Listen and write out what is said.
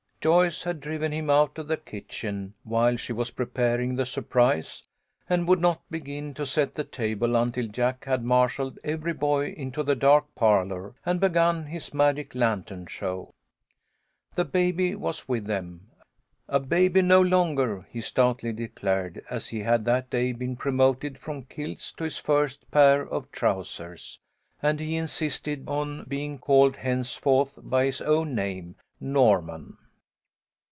Joyce had driven him out of the kitchen while she was preparing the surprise, and would not begin to set the table until Jack had marshalled every boy into the dark parlour and begun his magic lan tern show. The baby was with them, a baby no longer, he stoutly declared, as he had that day been promoted from kilts to his first pair of trousers, and 94 THE LITTLE COLONEL'S HOLIDAYS. he insisted on being called henceforth by his own name, Norman.